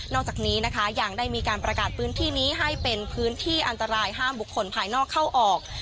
อกจากนี้นะคะยังได้มีการประกาศพื้นที่นี้ให้เป็นพื้นที่อันตรายห้ามบุคคลภายนอกเข้าออก